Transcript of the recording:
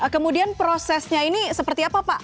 kemudian prosesnya ini seperti apa pak